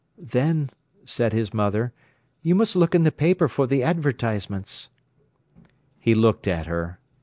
"Then," said his mother, "you must look in the paper for the advertisements." He looked at her.